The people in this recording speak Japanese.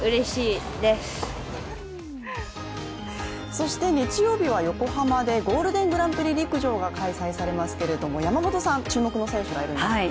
そして日曜日は横浜でゴールデングランプリ陸上が開催されますけれども山本さん、注目の選手がいるんですって？